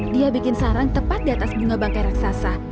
dia bikin sarang tepat di atas bunga bangkai raksasa